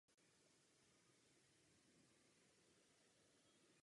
Rozkládá se v úmoří Karibského moře.